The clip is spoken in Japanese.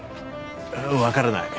わからない。